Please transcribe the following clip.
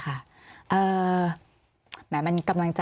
หมายมายมันกำลังใจ